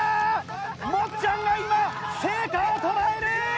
もっちゃんが今聖夏をとらえる！